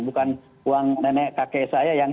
bukan uang nenek kakek saya yang